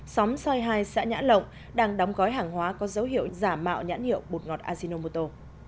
xóm xoài hai xã nhã lộng đang đóng gói hàng hóa có dấu hiệu giả mạo nhãn hiệu bột ngọt ajinomoto